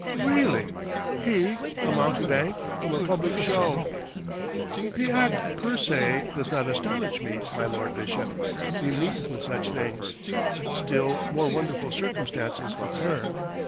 "Really! he a mountebank from a public show!" "The act, per se, does not astonish me, my Lord Bishop. We meet with such things. Still more wonderful circumstances occur.